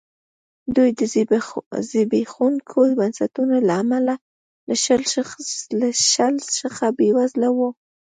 دوی د زبېښونکو بنسټونو له امله له شل څخه بېوزله وو.